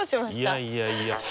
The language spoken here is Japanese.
いやいやいや。